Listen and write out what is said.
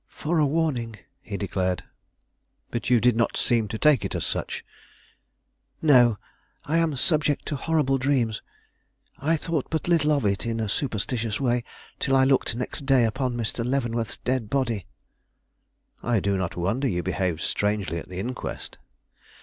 "For a warning," he declared. "But you did not seem to take it as such?" "No; I am subject to horrible dreams. I thought but little of it in a superstitious way till I looked next day upon Mr. Leavenworth's dead body." "I do not wonder you behaved strangely at the inquest."